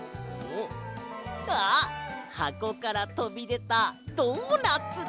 あっはこからとびでたドーナツだ。